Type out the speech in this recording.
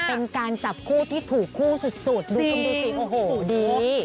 เป็นการจับคู่ที่ถูกคู่สุดดูคุณดูสิโอ้โหดี